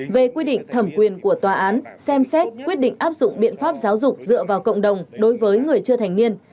về quy định thẩm quyền của tòa án xem xét quyết định áp dụng biện pháp giáo dục dựa vào cộng đồng đối với người chưa thành niên